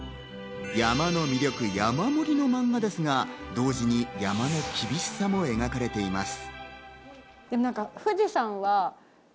山の魅力、山盛りのマンガですが、同時に山の厳しさも描かれています。